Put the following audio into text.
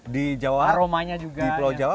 di jawa di pulau jawa